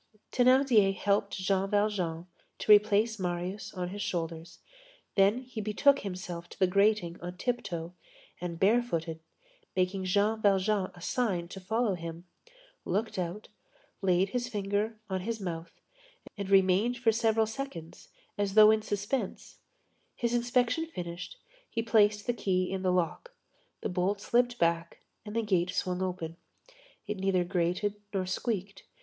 Thénardier helped Jean Valjean to replace Marius on his shoulders, then he betook himself to the grating on tiptoe, and barefooted, making Jean Valjean a sign to follow him, looked out, laid his finger on his mouth, and remained for several seconds, as though in suspense; his inspection finished, he placed the key in the lock. The bolt slipped back and the gate swung open. It neither grated nor squeaked.